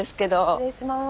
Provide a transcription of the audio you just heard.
失礼します。